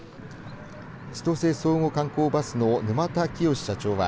千歳相互観光バスの沼田聖社長は